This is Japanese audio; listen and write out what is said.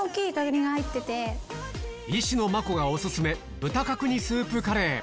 石野真子がオススメ豚角煮スープカレー